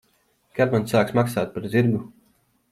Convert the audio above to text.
Kad man sāks maksāt par zirgu?